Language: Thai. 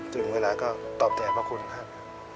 ถึงเวลาก็ตอบแทนพระคุณท่านครับ